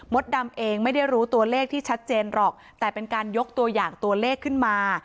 ดำเองไม่ได้รู้ตัวเลขที่ชัดเจนหรอกแต่เป็นการยกตัวอย่างตัวเลขขึ้นมา